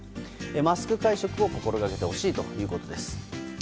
マスク会食を心掛けてほしいということです。